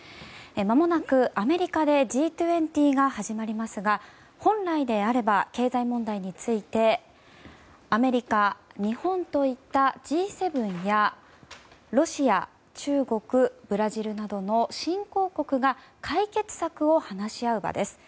まもなく、アメリカでＧ２０が始まりますが本来であれば経済問題についてアメリカ、日本といったＧ７やロシア、中国、ブラジルなどの新興国が解決策を話し合う場です。